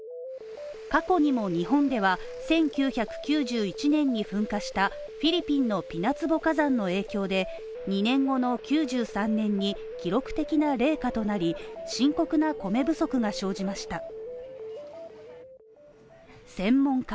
過去にも日本では１９９１年に噴火したフィリピンのピナツボ火山の影響で２年後の９３年に記録的な冷夏となり、深刻な米不足が生じました。